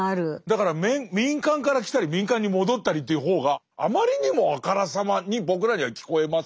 だから民間から来たり民間に戻ったりという方があまりにもあからさまに僕らには聞こえますよね。